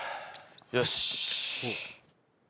「よし」